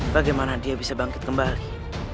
bagaimana dia bisa bangkit kembali